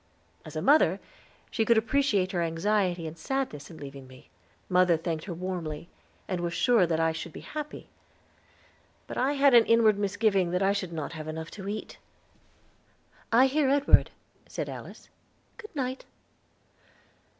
As a mother, she could appreciate her anxiety and sadness in leaving me. Mother thanked her warmly, and was sure that I should be happy; but I had an inward misgiving that I should not have enough to eat. "I hear Edward," said Alice. "Good night."